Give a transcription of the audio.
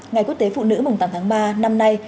ngày quốc tế phụ nữ mùng tám tháng ba năm nay